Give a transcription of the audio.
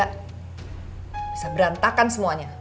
bisa berantakan semuanya